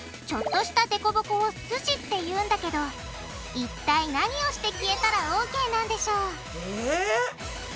ちょっとしたデコボコをすじって言うんだけど一体何をして消えたらＯＫなんでしょう？え？